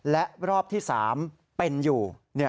และรอบที่๓เป็นอยู่